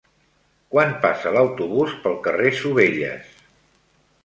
Quan passa l'autobús pel carrer Sovelles?